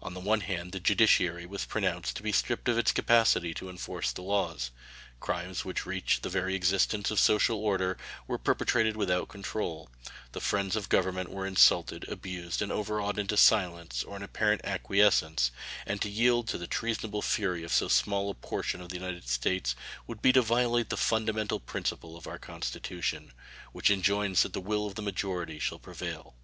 On the one hand the judiciary was pronounced to be stripped of its capacity to enforce the laws; crimes which reached the very existence of social order were perpetrated without control; the friends of Government were insulted, abused, and overawed into silence or an apparent acquiescence; and to yield to the treasonable fury of so small a portion of the United States would be to violate the fundamental principle of our Constitution, which enjoins that the will of the majority shall prevail.